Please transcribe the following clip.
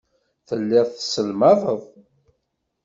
Telliḍ tesselmadeḍ.